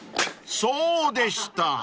［そうでした］